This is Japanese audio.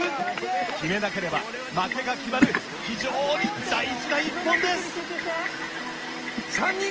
決めなければ負けが決まる非常に大事な一本です。